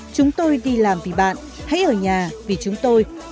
chúng tôi đi làm vì bạn hãy ở nhà vì chúng tôi